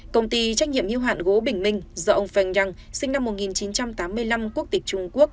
công ty trách nhiệm hiếu hạn gố bình minh do ông feng yang sinh năm một nghìn chín trăm tám mươi năm quốc tịch trung quốc